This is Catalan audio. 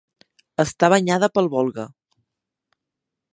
Està banyada pel Volga.